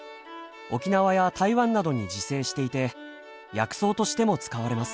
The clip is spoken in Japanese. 沖縄や台湾などに自生していて薬草としても使われます。